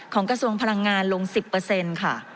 กระทรวงพลังงานลง๑๐ค่ะ